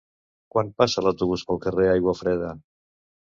Quan passa l'autobús pel carrer Aiguafreda?